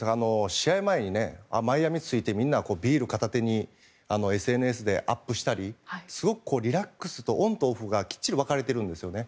試合前にマイアミに着いてみんなビール片手にＳＮＳにアップしたりすごくリラックスとオンとオフがきっちり分かれているんですね。